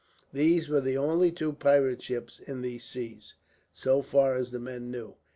These were the only two pirate ships in those seas, so far as the men knew.